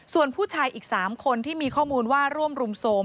ส่วนผู้ชายอีก๓คนที่มีข้อมูลว่าร่วมรุมโทรม